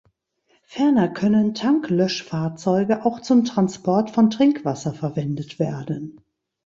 Ferner können Tanklöschfahrzeuge auch zum Transport von Trinkwasser verwendet werden.